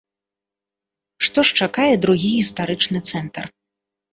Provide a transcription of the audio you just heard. Што ж чакае другі гістарычны цэнтр?